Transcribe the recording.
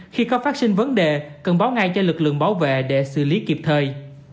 khi có phát sinh vấn đề cần báo ngay cho lực lượng bảo vệ để xử lý kịp thời